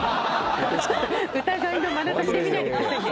疑いのまなざしで見ないでくださいね。